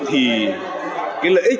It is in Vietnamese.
thì lợi ích